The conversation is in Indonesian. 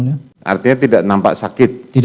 artinya tidak nampak sakit